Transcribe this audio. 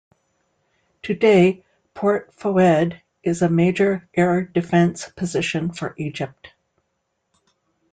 Today Port Fouad is a major Air Defence Position for Egypt.